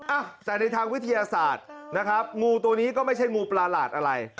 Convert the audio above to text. อ่ะแต่ในทางวิทยาศาสตร์นะครับงูตัวนี้ก็ไม่ใช่งูประหลาดอะไร